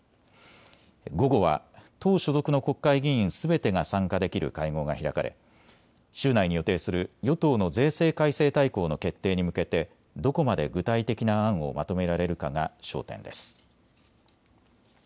午後は党所属の国会議員すべてが参加できる会合が開かれ週内に予定する与党の税制改正大綱の決定に向けてどこまで具体的な案をまとめられるかが焦点です。